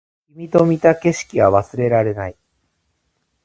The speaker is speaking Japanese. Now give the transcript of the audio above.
君と見た景色は忘れられない